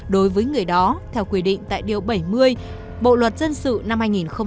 đối với người đó theo quy định tại điều bảy mươi bộ luật dân sự năm hai nghìn một mươi năm